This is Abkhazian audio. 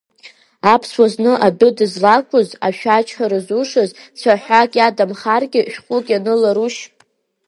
Аԥсуа зны адәы дызлақәыз ашәаџьҳәара зушаз, цәаҳәак иадамхаргьы, шәҟәык ианыларушь?!